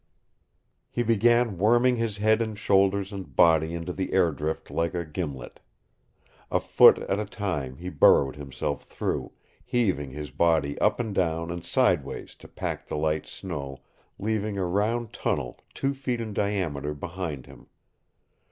He began worming his head and shoulders and body into the air drift like a gimlet. A foot at a time he burrowed himself through, heaving his body up and down and sideways to pack the light snow, leaving a round tunnel two feet in diameter behind him.